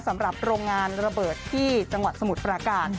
สำหรับโรงงานระเบิดที่จังหวัดสมุทรปราการ